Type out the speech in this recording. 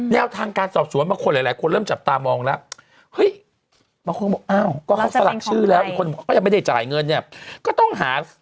แนวทางการสอบสวนหมาคนหลายคนเริ่มจับตามอง